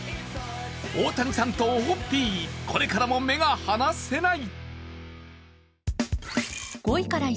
大谷さんとオホッピーこれからも目が離せない。